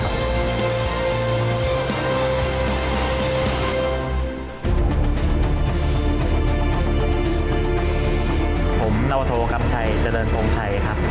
ผมนวทกัมชัยเจริญโภงชัย